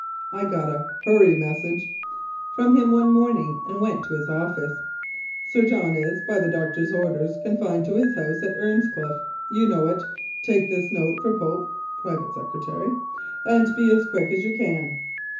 I got a "hurry message" from him one morning, and went to his office. "Sir John is, by the doctor's orders, con fined to his house at Earnscliffe you know it take this note for Pope (private secretary), and be as quick as you can."